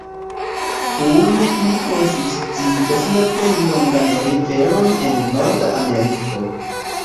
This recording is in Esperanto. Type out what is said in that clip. Kune ili konsistigas la plej longan riveron en Norda Ameriko.